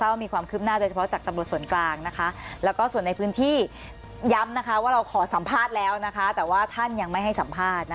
ถ้าคิดว่าไทยรัฐช่วยได้เดี๋ยวเรากลับมาคุยกันใหม่